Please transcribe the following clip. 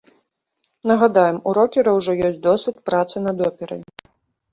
Нагадаем, у рокера ўжо ёсць досвед працы над операй.